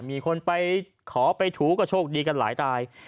มีคนไปขอไปถูก็โชคดีกันหลายราย